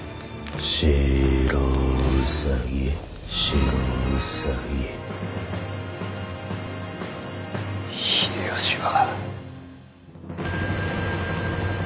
白兎白兎秀吉は。